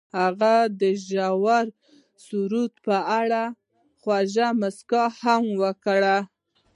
هغې د ژور سرود په اړه خوږه موسکا هم وکړه.